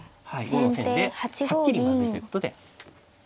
後の先ではっきりまずいということで。